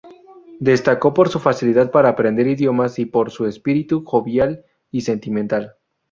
Destacó por su facilidad para aprender idiomas y por su espíritu jovial y sentimental.